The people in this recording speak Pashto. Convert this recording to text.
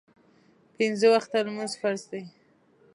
پینځه وخته لمونځ فرض دی